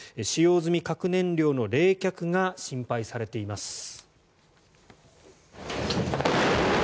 使用済み核燃料の冷却が心配されています。